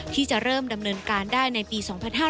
ที่จะเริ่มดำเนินการได้ในปี๒๕๕๙